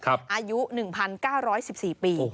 อายุ๑๙๑๔ปี